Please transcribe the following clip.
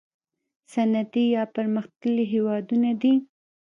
صنعتي یا پرمختللي هیوادونه دي.